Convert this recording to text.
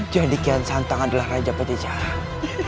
jadi kian santang adalah raja pajajaran